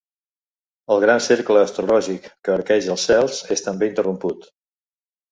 El gran cercle astrològic que arqueja els cels és també interromput.